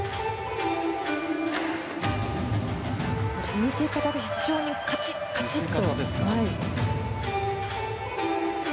見せ方が非常にカチッ、カチッと。